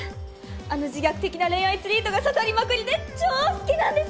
あの自虐的な恋愛ツリートが刺さりまくりで超好きなんです！